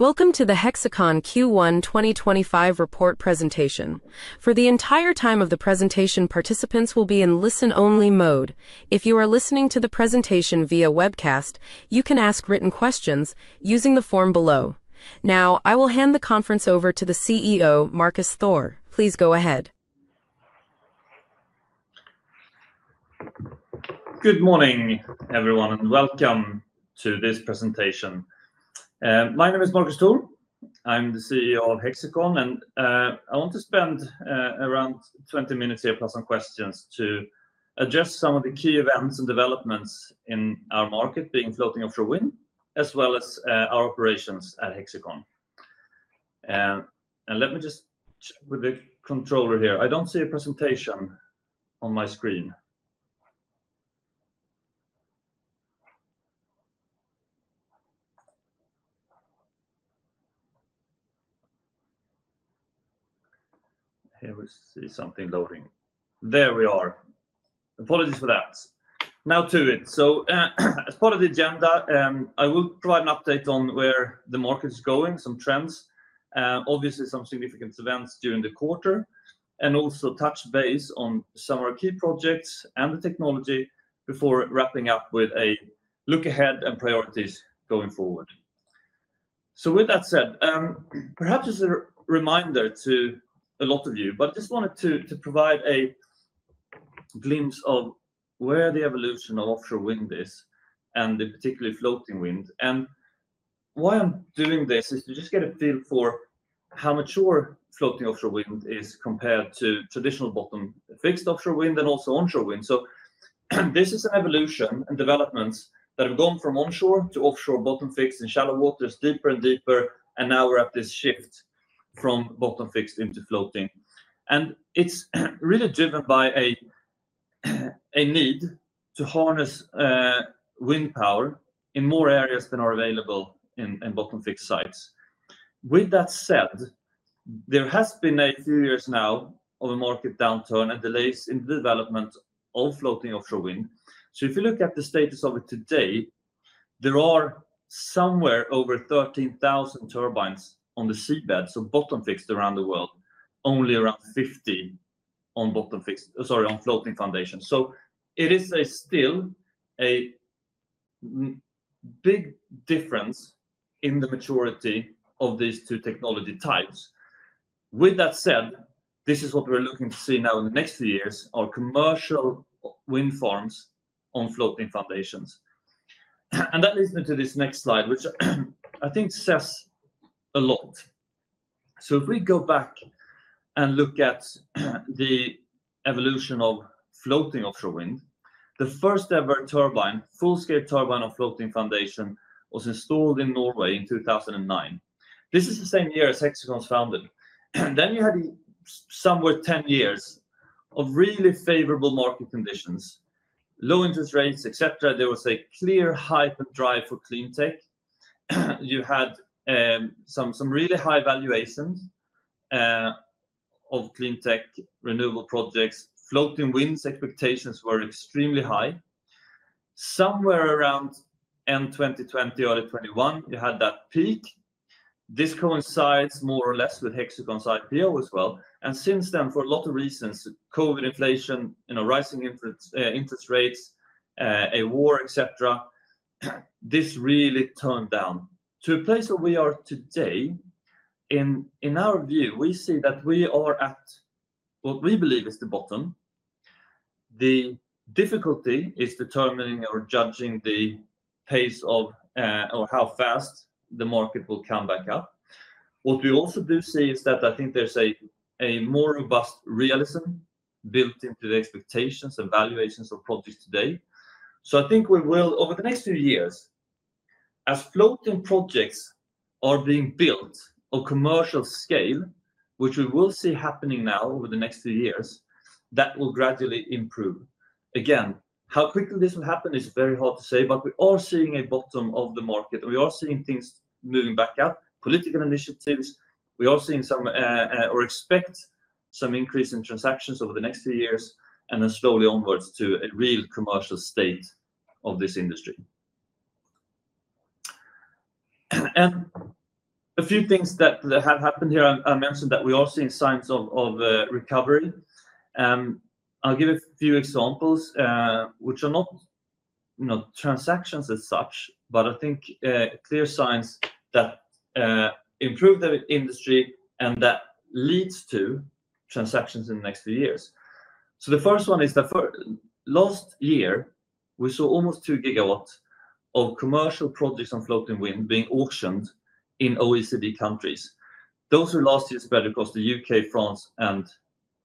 Welcome to the Hexicon Q1 2025 Report Presentation. For the entire time of the presentation, participants will be in listen-only mode. If you are listening to the presentation via webcast, you can ask written questions using the form below. Now, I will hand the conference over to the CEO, Marcus Thor. Please go ahead. Good morning, everyone, and welcome to this presentation. My name is Marcus Thor. I'm the CEO of Hexicon, and I want to spend around 20 minutes here with some questions to address some of the key events and developments in our market being floating offshore wind, as well as our operations at Hexicon. Let me just check with the controller here. I don't see a presentation on my screen. Here we see something loading. There we are. Apologies for that. Now to it. As part of the agenda, I will provide an update on where the market is going, some trends, obviously some significant events during the quarter, and also touch base on some of our key projects and the technology before wrapping up with a look ahead and priorities going forward. With that said, perhaps as a reminder to a lot of you, but I just wanted to provide a glimpse of where the evolution of offshore wind is, and particularly floating wind. Why I'm doing this is to just get a feel for how mature floating offshore wind is compared to traditional bottom-fixed offshore wind and also onshore wind. This is an evolution and developments that have gone from onshore to offshore bottom-fixed in shallow waters, deeper and deeper, and now we're at this shift from bottom-fixed into floating. It's really driven by a need to harness wind power in more areas than are available in bottom-fixed sites. With that said, there has been a few years now of a market downturn and delays in the development of floating offshore wind. If you look at the status of it today, there are somewhere over 13,000 turbines on the seabed, so bottom-fixed around the world, only around 50 on floating foundation. It is still a big difference in the maturity of these two technology types. With that said, this is what we're looking to see now in the next few years, our commercial wind farms on floating foundations. That leads me to this next slide, which I think says a lot. If we go back and look at the evolution of floating offshore wind, the first ever full-scale turbine on floating foundation was installed in Norway in 2009. This is the same year as Hexicon was founded. Then you had somewhere 10 years of really favorable market conditions, low interest rates, et cetera. There was a clear hype and drive for clean tech. You had some really high valuations of clean tech renewable projects. Floating wind's expectations were extremely high. Somewhere around end 2020, early 2021, you had that peak. This coincides more or less with Hexicon's IPO as well. Since then, for a lot of reasons, COVID, inflation, rising interest rates, a war, et cetera, this really turned down to a place where we are today. In our view, we see that we are at what we believe is the bottom. The difficulty is determining or judging the pace of or how fast the market will come back up. What we also do see is that I think there is a more robust realism built into the expectations and valuations of projects today. I think we will, over the next few years, as floating projects are being built of commercial scale, which we will see happening now over the next few years, that will gradually improve. Again, how quickly this will happen is very hard to say, but we are seeing a bottom of the market. We are seeing things moving back up, political initiatives. We are seeing some or expect some increase in transactions over the next few years, and then slowly onwards to a real commercial state of this industry. A few things that have happened here, I mentioned that we are seeing signs of recovery. I'll give a few examples, which are not transactions as such, but I think clear signs that improve the industry and that lead to transactions in the next few years. The first one is that last year, we saw almost 2 GW of commercial projects on floating wind being auctioned in OECD countries. Those were last year spread across the U.K., France, and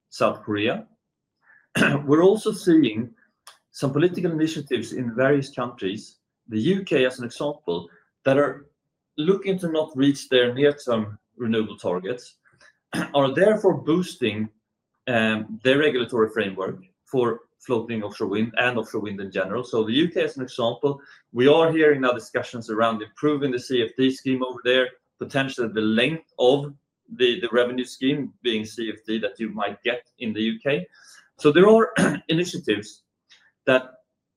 South Korea. We're also seeing some political initiatives in various countries, the U.K. as an example, that are looking to not reach their near-term renewable targets, are therefore boosting their regulatory framework for floating offshore wind and offshore wind in general. The U.K. as an example, we are hearing now discussions around improving the CFD scheme over there, potentially the length of the revenue scheme being CFD that you might get in the U.K. There are initiatives that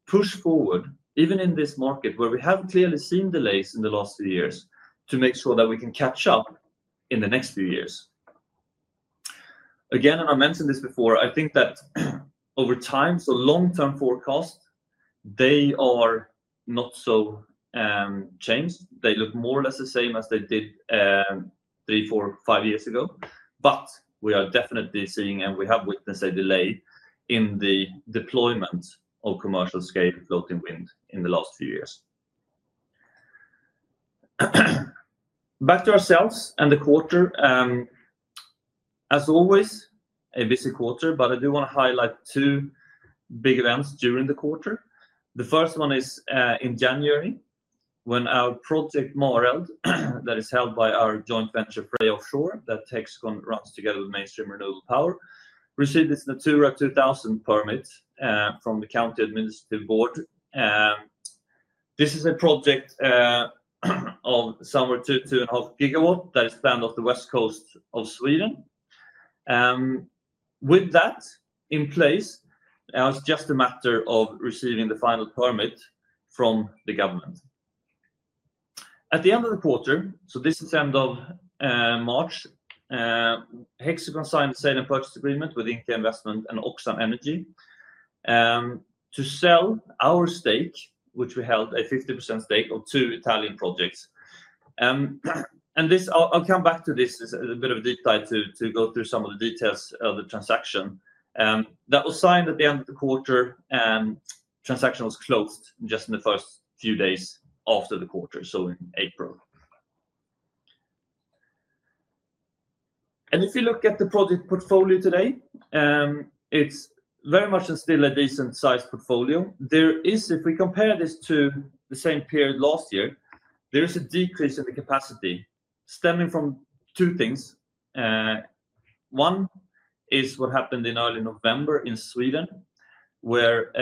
push forward, even in this market where we haven't clearly seen delays in the last few years, to make sure that we can catch up in the next few years. Again, and I mentioned this before, I think that over time, so long-term forecasts, they are not so changed. They look more or less the same as they did three, four, five years ago. We are definitely seeing, and we have witnessed a delay in the deployment of commercial-scale floating wind in the last few years. Back to ourselves and the quarter. As always, a busy quarter, but I do want to highlight two big events during the quarter. The first one is in January, when our project Maureld, that is held by our joint venture, Frey Offshore, that Hexicon runs together with Mainstream Renewable Power, received its Natura 2000 permit from the County Administrative Board. This is a project of somewhere to 2-2.5 GW that is planned off the west coast of Sweden. With that in place, now it's just a matter of receiving the final permit from the government. At the end of the quarter, so this is the end of March, Hexicon signed a sale and purchase agreement with Inflexion Investments and OX2 to sell our stake, which we held a 50% stake of two Italian projects. And this, I'll come back to this as a bit of a detail to go through some of the details of the transaction. That was signed at the end of the quarter, and transaction was closed just in the first few days after the quarter, so in April. If you look at the project portfolio today, it's very much still a decent-sized portfolio. There is, if we compare this to the same period last year, there is a decrease in the capacity stemming from two things. One is what happened in early November in Sweden, where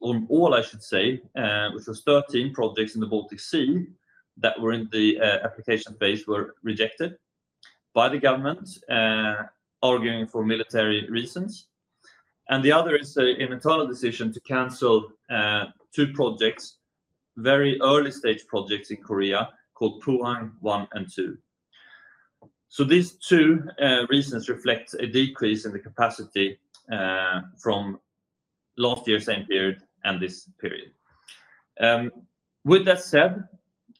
all, I should say, which was 13 projects in the Baltic Sea that were in the application phase were rejected by the government arguing for military reasons. The other is an internal decision to cancel two projects, very early-stage projects in Korea called Puhan One and Two. These two reasons reflect a decrease in the capacity from last year's same period and this period. With that said,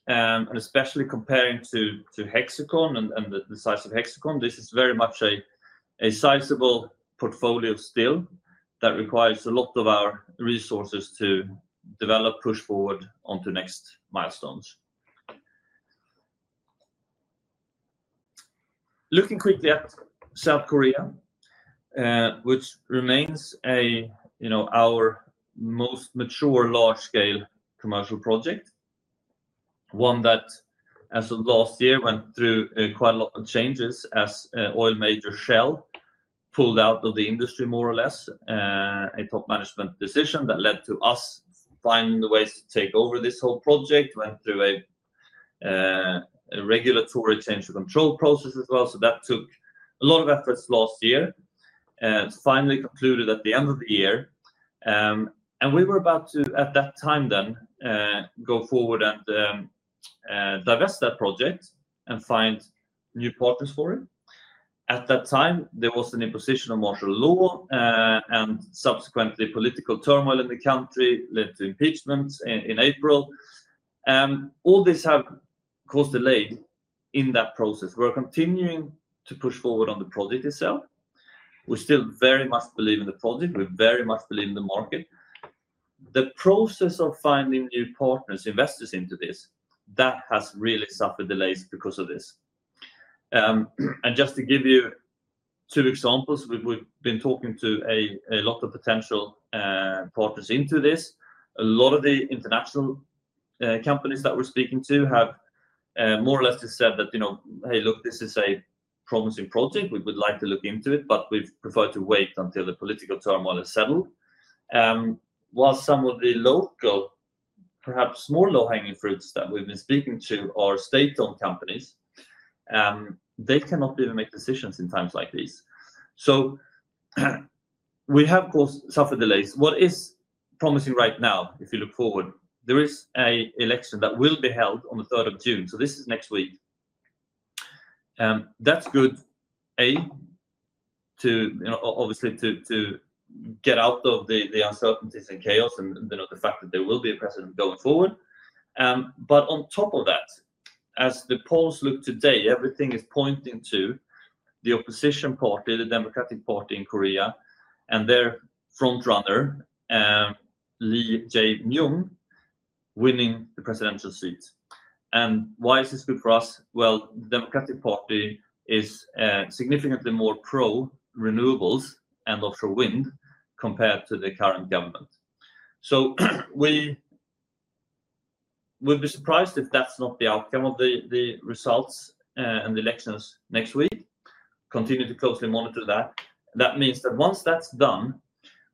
and especially comparing to Hexicon and the size of Hexicon, this is very much a sizable portfolio still that requires a lot of our resources to develop, push forward onto next milestones. Looking quickly at South Korea, which remains our most mature large-scale commercial project, one that, as of last year, went through quite a lot of changes as oil major Shell pulled out of the industry more or less, a top management decision that led to us finding the ways to take over this whole project, went through a regulatory change of control process as well. That took a lot of efforts last year, finally concluded at the end of the year. We were about to, at that time then, go forward and divest that project and find new partners for it. At that time, there was an imposition of martial law and subsequently political turmoil in the country led to impeachments in April. All this has caused delay in that process. We're continuing to push forward on the project itself. We still very much believe in the project. We very much believe in the market. The process of finding new partners, investors into this, that has really suffered delays because of this. Just to give you two examples, we've been talking to a lot of potential partners into this. A lot of the international companies that we're speaking to have more or less said that, "Hey, look, this is a promising project. We would like to look into it, but we'd prefer to wait until the political turmoil is settled." While some of the local, perhaps more low-hanging fruits that we've been speaking to are state-owned companies, they cannot even make decisions in times like these. We have suffered delays. What is promising right now, if you look forward, there is an election that will be held on the 3rd of June. This is next week. That's good, obviously, to get out of the uncertainties and chaos and the fact that there will be a president going forward. On top of that, as the polls look today, everything is pointing to the opposition party, the Democratic Party in Korea, and their front runner, Lee Jae-myung, winning the presidential seat. Why is this good for us? The Democratic Party is significantly more pro renewables and offshore wind compared to the current government. We would be surprised if that's not the outcome of the results and the elections next week. Continue to closely monitor that. That means that once that's done,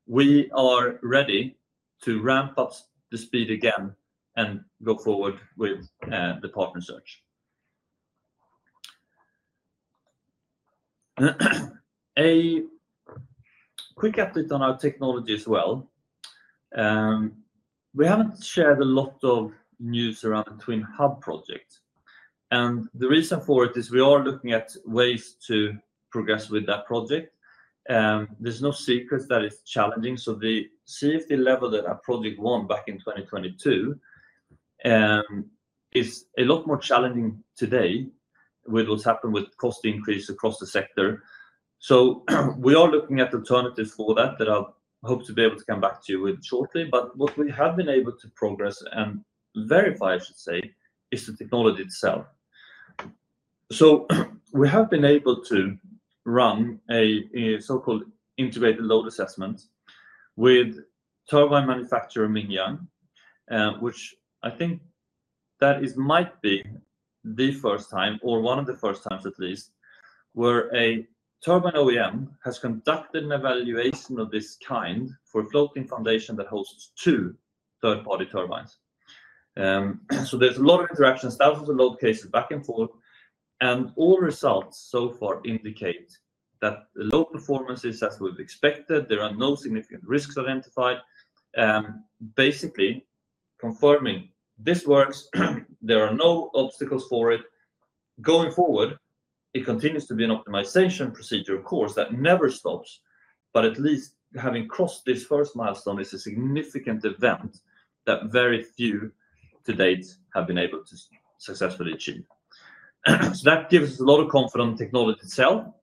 we are ready to ramp up the speed again and go forward with the partner search. A quick update on our technology as well. We haven't shared a lot of news around the Twin Hub project. The reason for it is we are looking at ways to progress with that project. There's no secret that it's challenging. The CFD level that our project won back in 2022 is a lot more challenging today with what's happened with cost increase across the sector. We are looking at alternatives for that that I hope to be able to come back to you with shortly. What we have been able to progress and verify, I should say, is the technology itself. We have been able to run a so-called integrated load assessment with turbine manufacturer Mingyang, which I think that might be the first time or one of the first times at least, where a turbine OEM has conducted an evaluation of this kind for a floating foundation that hosts two third-party turbines. There is a lot of interactions, thousands of load cases back and forth. All results so far indicate that the load performance is as we have expected. There are no significant risks identified. Basically confirming this works. There are no obstacles for it. Going forward, it continues to be an optimization procedure, of course, that never stops. At least having crossed this first milestone is a significant event that very few to date have been able to successfully achieve. That gives us a lot of confidence in the technology itself.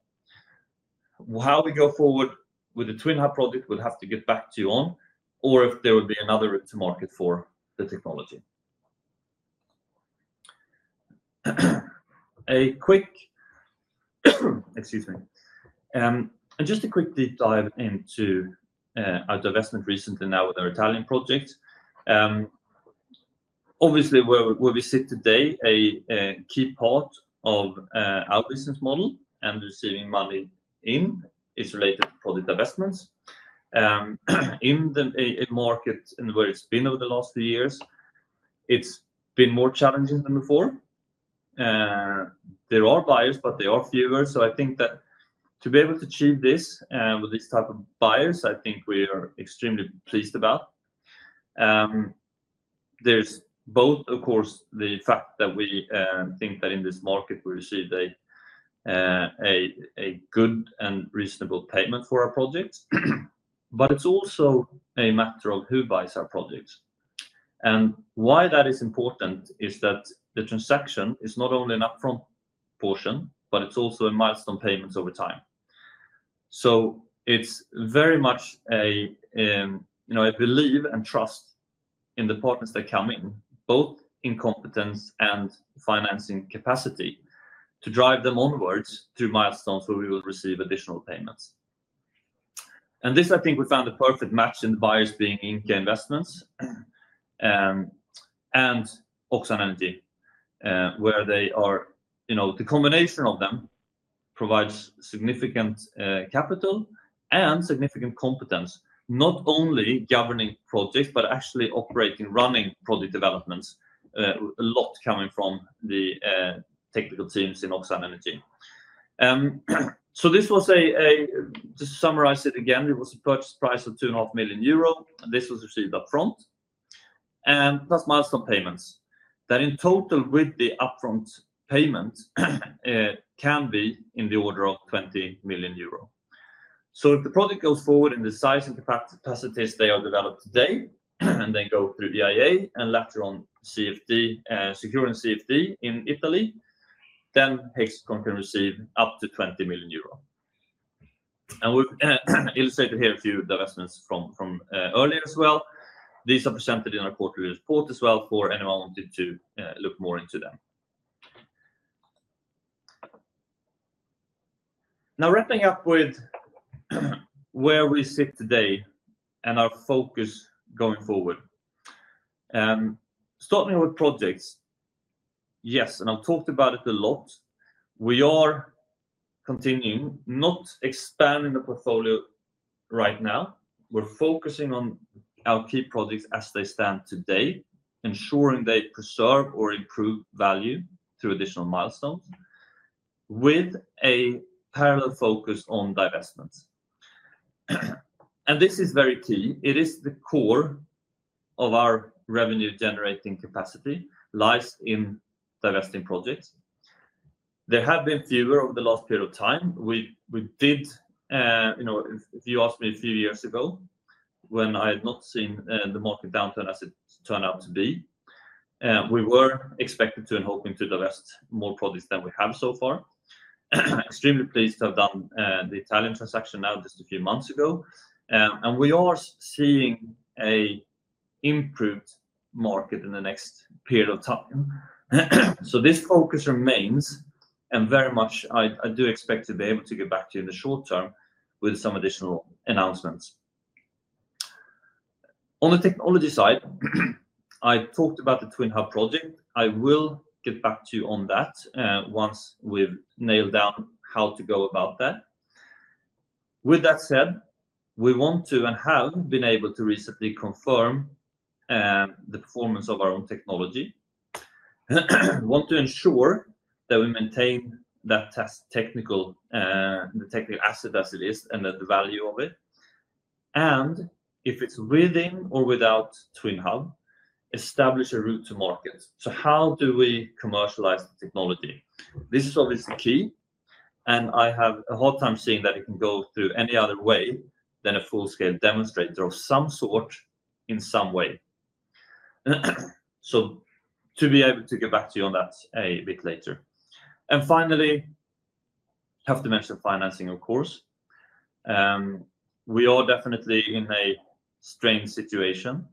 How we go forward with the Twin Hub project, we will have to get back to you on, or if there would be another route to market for the technology. Excuse me, and just a quick deep dive into our divestment recently now with our Italian project. Obviously, where we sit today, a key part of our business model and receiving money in is related to project investments. In the market and where it's been over the last few years, it's been more challenging than before. There are buyers, but they are fewer. I think that to be able to achieve this with this type of buyers, I think we are extremely pleased about. There's both, of course, the fact that we think that in this market, we receive a good and reasonable payment for our projects. It's also a matter of who buys our projects. Why that is important is that the transaction is not only an upfront portion, but it's also a milestone payment over time. It is very much a belief and trust in the partners that come in, both in competence and financing capacity to drive them onwards through milestones where we will receive additional payments. I think we found a perfect match in the buyers being Inflexion Investments and OX2, where the combination of them provides significant capital and significant competence, not only governing projects, but actually operating, running project developments, a lot coming from the technical teams in OX2. This was, to summarize it again, a purchase price of 2.5 million euro. This was received upfront. The milestone payments in total with the upfront payment can be in the order of 20 million euro. If the project goes forward in the size and capacities they are developed today and then go through EIA and later on securing CFD in Italy, then Hexicon can receive up to 20 million euro. We have illustrated here a few divestments from earlier as well. These are presented in our quarterly report as well for anyone who wanted to look more into them. Now, wrapping up with where we sit today and our focus going forward. Starting with projects, yes, and I have talked about it a lot. We are continuing not expanding the portfolio right now. We are focusing on our key projects as they stand today, ensuring they preserve or improve value through additional milestones with a parallel focus on divestments. This is very key. The core of our revenue-generating capacity lies in divesting projects. There have been fewer over the last period of time. We did, if you asked me a few years ago when I had not seen the market downturn as it turned out to be, we were expected to and hoping to divest more projects than we have so far. Extremely pleased to have done the Italian transaction now just a few months ago. We are seeing an improved market in the next period of time. This focus remains and very much I do expect to be able to get back to you in the short term with some additional announcements. On the technology side, I talked about the Twin Hub project. I will get back to you on that once we've nailed down how to go about that. With that said, we want to and have been able to recently confirm the performance of our own technology. We want to ensure that we maintain that technical asset as it is and the value of it. If it is within or without Twin Hub, establish a route to market. How do we commercialize the technology? This is obviously key. I have a hard time seeing that it can go through any other way than a full-scale demonstrator of some sort in some way. To be able to get back to you on that a bit later. Finally, I have to mention financing, of course. We are definitely in a strained situation.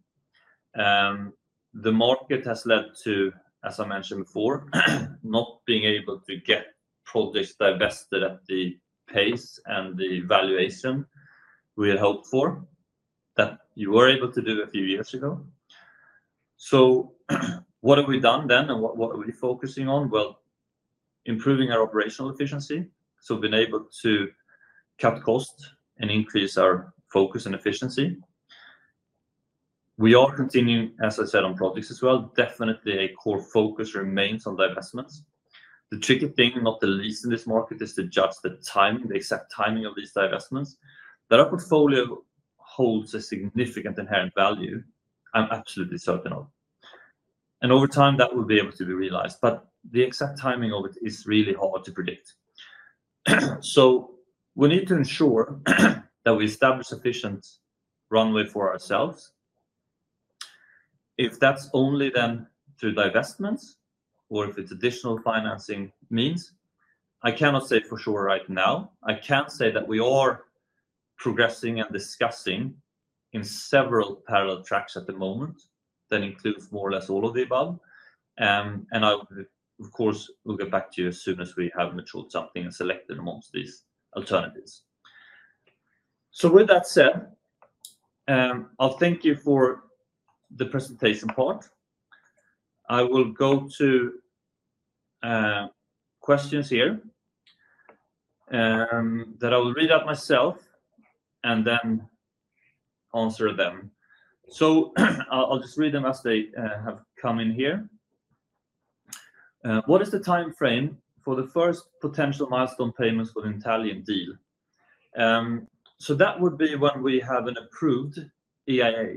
The market has led to, as I mentioned before, not being able to get projects divested at the pace and the valuation we had hoped for that you were able to do a few years ago. What have we done then and what are we focusing on? Improving our operational efficiency. We have been able to cut costs and increase our focus and efficiency. We are continuing, as I said, on projects as well. Definitely, a core focus remains on divestments. The tricky thing, not the least in this market, is to judge the timing, the exact timing of these divestments. That our portfolio holds a significant inherent value, I am absolutely certain of. Over time, that will be able to be realized. The exact timing of it is really hard to predict. We need to ensure that we establish sufficient runway for ourselves. If that is only then through divestments or if it is additional financing means, I cannot say for sure right now. I can say that we are progressing and discussing in several parallel tracks at the moment that includes more or less all of the above. I, of course, will get back to you as soon as we have matured something and selected amongst these alternatives. With that said, I'll thank you for the presentation part. I will go to questions here that I will read out myself and then answer them. I'll just read them as they have come in here. What is the timeframe for the first potential milestone payments for the Italian deal? That would be when we have an approved EIA.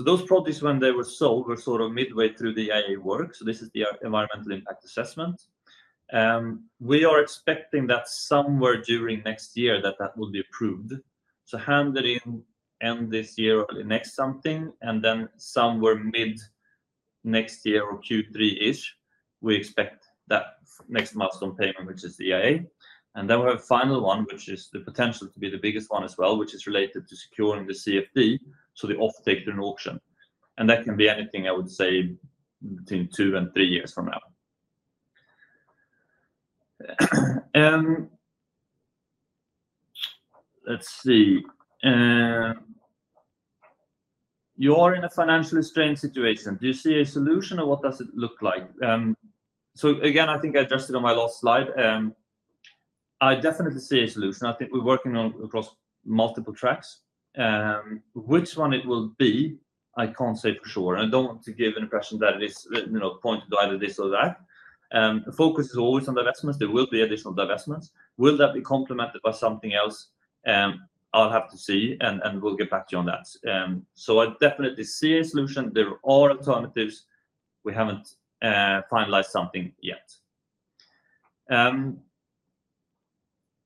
Those projects, when they were sold, were sort of midway through the EIA work. This is the environmental impact assessment. We are expecting that somewhere during next year that that will be approved. Handed in end this year or next something, and then somewhere mid next year or Q3-ish, we expect that next milestone payment, which is the EIA. Then we have a final one, which is the potential to be the biggest one as well, which is related to securing the CFD, so the off-take to an auction. That can be anything, I would say, between two and three years from now. Let's see. You are in a financially strained situation. Do you see a solution or what does it look like? Again, I think I addressed it on my last slide. I definitely see a solution. I think we're working across multiple tracks. Which one it will be, I can't say for sure. I don't want to give an impression that it is pointed to either this or that. The focus is always on divestments. There will be additional divestments. Will that be complemented by something else? I'll have to see, and we'll get back to you on that. I definitely see a solution. There are alternatives. We haven't finalized something yet.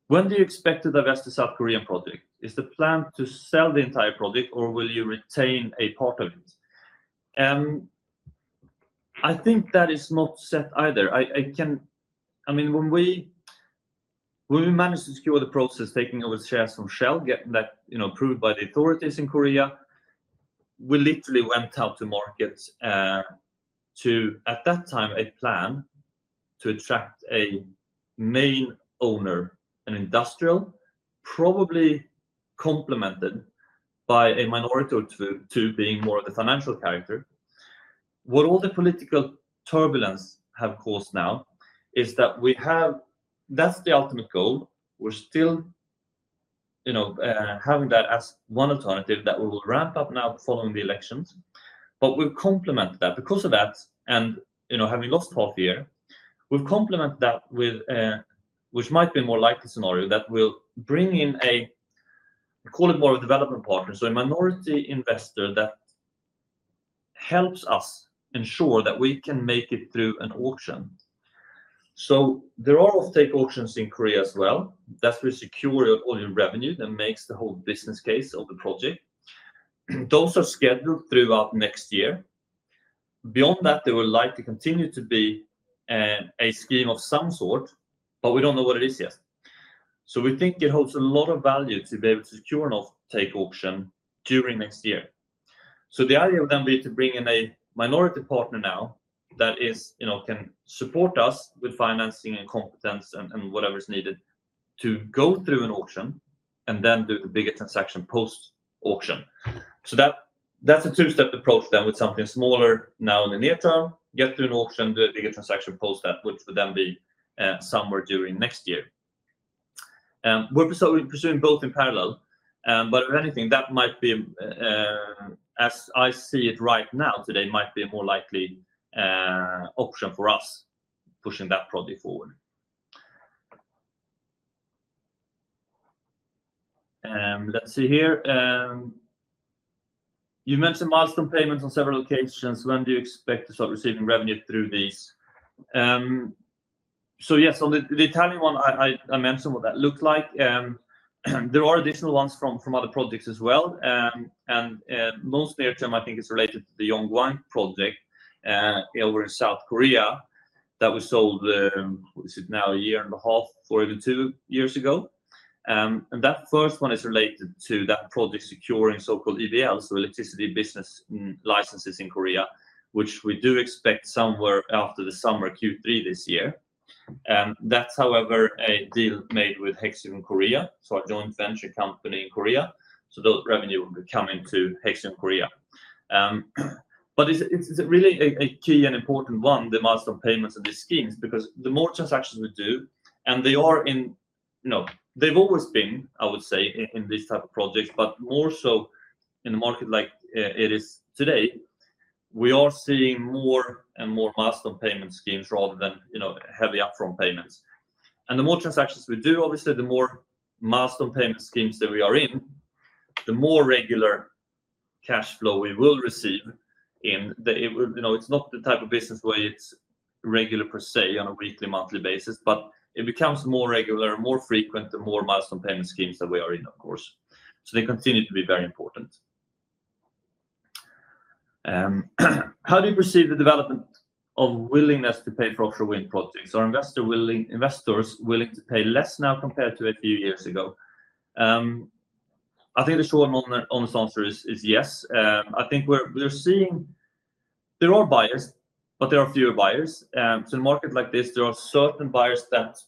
When do you expect to divest the South Korean project? Is the plan to sell the entire project or will you retain a part of it? I think that is not set either. I mean, when we managed to secure the process, taking over the shares from Shell, getting that approved by the authorities in Korea, we literally went out to market to, at that time, a plan to attract a main owner, an industrial, probably complemented by a minority or two being more of the financial character. What all the political turbulence has caused now is that we have, that's the ultimate goal. We're still having that as one alternative that we will ramp up now following the elections. We have complemented that. Because of that, and having lost half a year, we've complemented that with, which might be a more likely scenario, that we'll bring in a, call it more of a development partner. So, a minority investor that helps us ensure that we can make it through an auction. There are off-take auctions in Korea as well. That's where securing all your revenue that makes the whole business case of the project. Those are scheduled throughout next year. Beyond that, there would like to continue to be a scheme of some sort, but we don't know what it is yet. We think it holds a lot of value to be able to secure an off-take auction during next year. The idea would then be to bring in a minority partner now that can support us with financing and competence and whatever's needed to go through an auction and then do the bigger transaction post-auction. That's a two-step approach then with something smaller now in the near term, get through an auction, do a bigger transaction post that, which would then be somewhere during next year. We're pursuing both in parallel. If anything, that might be, as I see it right now today, might be a more likely option for us pushing that project forward. Let's see here. You mentioned milestone payments on several occasions. When do you expect to start receiving revenue through these? Yes, on the Italian one, I mentioned what that looks like. There are additional ones from other projects as well. Most near term, I think it's related to the Yonggwang project over in South Korea that was sold, what is it now, a year and a half, four to two years ago. That first one is related to that project securing so-called EBLs, so electricity business licenses in Korea, which we do expect somewhere after the summer Q3 this year. That's, however, a deal made with Hexicon Korea, so a joint venture company in Korea. The revenue will be coming to Hexicon Korea. It's really a key and important one, the milestone payments and the schemes, because the more transactions we do, and they are in, they've always been, I would say, in these types of projects, but more so in the market like it is today, we are seeing more and more milestone payment schemes rather than heavy upfront payments. The more transactions we do, obviously, the more milestone payment schemes that we are in, the more regular cash flow we will receive in. It is not the type of business where it is regular per se on a weekly, monthly basis, but it becomes more regular, more frequent, the more milestone payment schemes that we are in, of course. They continue to be very important. How do you perceive the development of willingness to pay for offshore wind projects? Are investors willing to pay less now compared to a few years ago? I think the short and honest answer is yes. I think we are seeing there are buyers, but there are fewer buyers. In a market like this, there are certain buyers that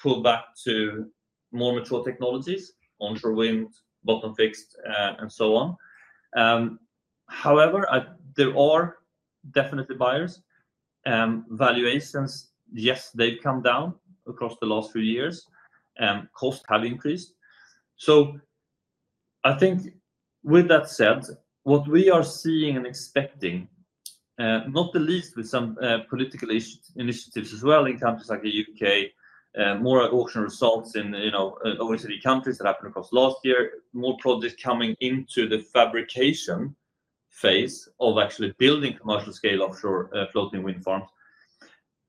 pull back to more mature technologies, onshore wind, bottom-fixed, and so on. However, there are definitely buyers. Valuations, yes, they've come down across the last few years. Costs have increased. I think with that said, what we are seeing and expecting, not the least with some political initiatives as well in countries like the U.K., more auction results in OECD countries that happened across last year, more projects coming into the fabrication phase of actually building commercial-scale offshore floating wind farms.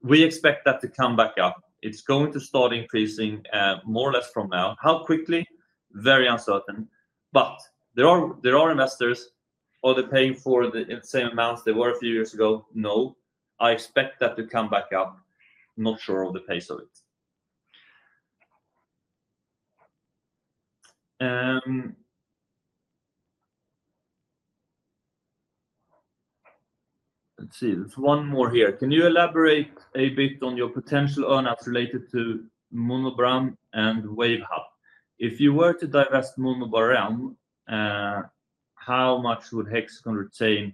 We expect that to come back up. It's going to start increasing more or less from now. How quickly? Very uncertain. There are investors. Are they paying for the same amounts they were a few years ago? No. I expect that to come back up. Not sure of the pace of it. Let's see. There's one more here. Can you elaborate a bit on your potential earnings related to MunmuBaram and Wave Hub? If you were to divest MunmuBaram, how much would Hexicon retain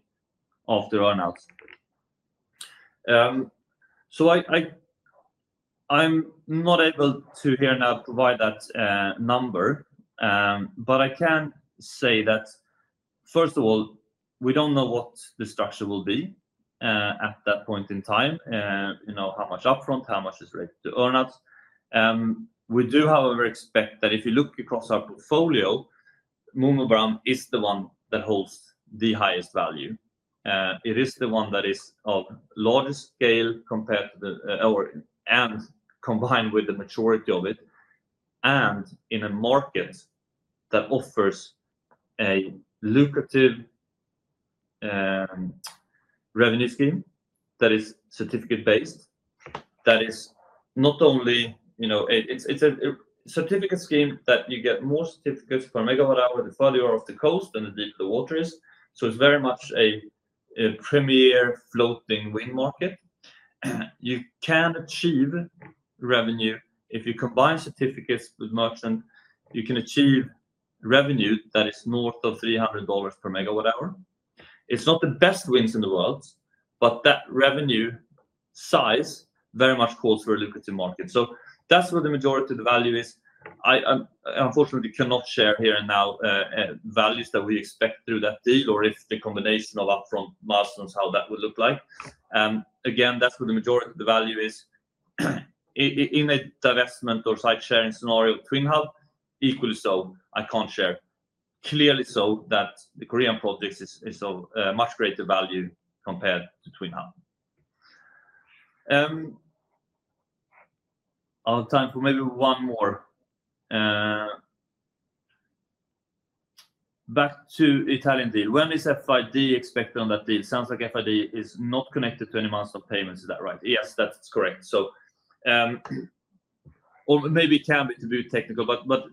after earnings? I'm not able to here now provide that number, but I can say that, first of all, we do not know what the structure will be at that point in time, how much upfront, how much is related to earnings. We do, however, expect that if you look across our portfolio, MunmuBaram is the one that holds the highest value. It is the one that is of largest scale compared to the and combined with the maturity of it. In a market that offers a lucrative revenue scheme that is certificate-based, that is not only a certificate scheme that you get more certificates per megawatt hour the further you are off the coast and the deeper the water is. It is very much a premier floating wind market. You can achieve revenue if you combine certificates with merchant. You can achieve revenue that is north of $300 per MWh. It's not the best winds in the world, but that revenue size very much calls for a lucrative market. That is where the majority of the value is. Unfortunately, we cannot share here and now values that we expect through that deal or if the combination of upfront milestones, how that would look like. Again, that is where the majority of the value is. In a divestment or side-sharing scenario, Twin Hub, equally so, I can't share. Clearly so, that the Korean project is of much greater value compared to Twin Hub. I'll have time for maybe one more. Back to the Italian deal. When is FID expected on that deal? Sounds like FID is not connected to any milestone payments. Is that right? Yes, that's correct. Or maybe it can be to be technical, but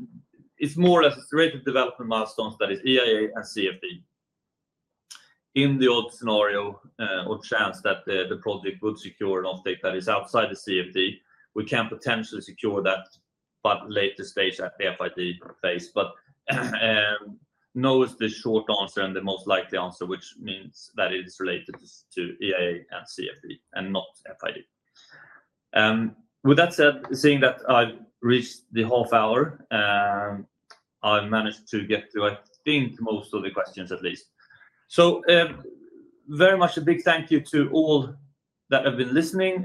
it is more or less related to development milestones that is EIA and CFD. In the odd scenario or chance that the project would secure an off-take that is outside the CFD, we can potentially secure that at the later stage at the FID phase. But no is the short answer and the most likely answer, which means that it is related to EIA and CFD and not FID. With that said, seeing that I have reached the half hour, I have managed to get through, I think, most of the questions at least. Very much a big thank you to all that have been listening.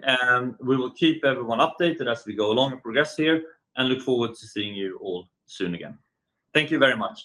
We will keep everyone updated as we go along and progress here and look forward to seeing you all soon again. Thank you very much.